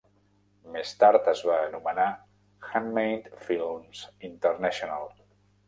Més tard es va anomenar Handmade Films International.